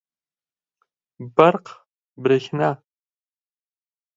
برق √ بريښنا